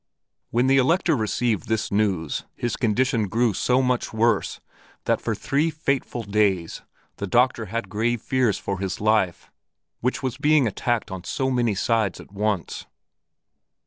When the Elector received this news his condition grew so much worse that for three fateful days the doctor had grave fears for his life, which was being attacked on so many sides at once.